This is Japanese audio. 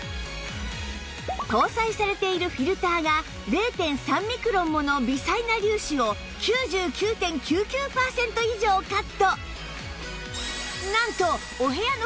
搭載されているフィルターが ０．３ ミクロンもの微細な粒子を ９９．９９ パーセント以上カット！